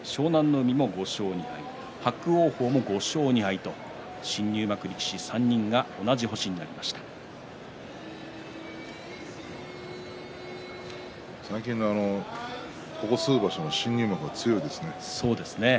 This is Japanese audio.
海も５勝２敗伯桜鵬も５勝２敗と新入幕力士３人が同じ星に最近の、ここ数場所の新入幕は強いですね。